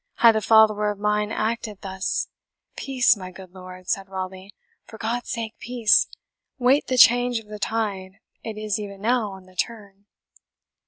Had a follower of mine acted thus " "Peace, my good lord," said Raleigh, "for God's sake, peace! Wait the change of the tide; it is even now on the turn."